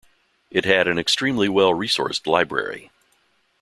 It had an extremely well resourced library.